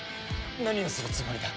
何をするつもりだ？